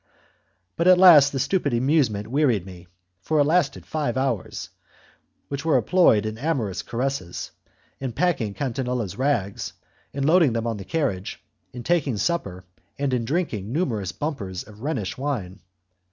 But at last the stupid amusement wearied me, for it lasted five hours, which were employed in amorous caresses, in packing Catinella's rags, in loading them on the carriage, in taking supper, and in drinking numerous bumpers of Rhenish wine.